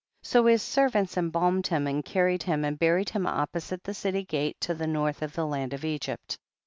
26. So his servants embalmed him and carried him and buried him opposite the city gate to the north of the land of Egypt.